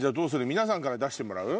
皆さんから出してもらう？